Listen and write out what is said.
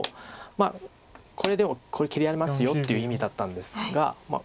まあこれでもこれ切れますよっていう意味だったんですがまあ